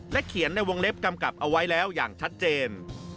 เขียนในวงเล็บกำกับเอาไว้แล้วอย่างชัดเจน